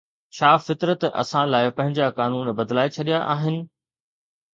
ڇا فطرت اسان لاءِ پنهنجا قانون بدلائي ڇڏيا آهن؟